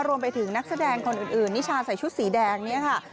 รวมไปถึงนักแสดงคนอื่นนิชาใส่ชุดสีแดงเนี่ยค่ะ